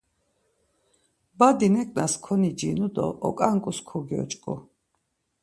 Badi neǩnas konicinu do oǩanǩus kogyoç̌ǩu.